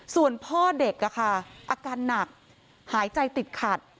ส่วนพ่อเด็กอาการหนักหายใจติดขัด